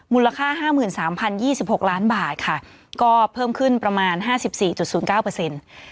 มูลค่า๕๓๐๒๖ล้านบาทค่ะก็เพิ่มขึ้นประมาณ๕๔๐๙เปอร์เซ็นต์